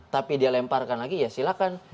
tapi dia lemparkan lagi ya silakan